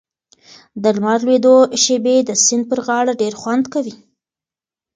د لمر لوېدو شېبې د سیند پر غاړه ډېر خوند کوي.